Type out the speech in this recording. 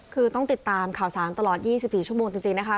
คือต้องติดตามข่าวสารตลอด๒๔ชั่วโมงจริงนะคะ